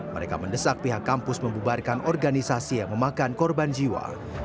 mereka mendesak pihak kampus membubarkan organisasi yang memakan korban jiwa